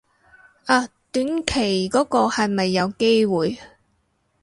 啊短期嗰個係咪有機會